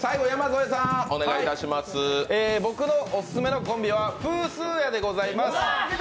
僕のオススメのコンビはフースーヤでございます。